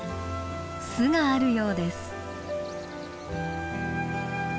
巣があるようです。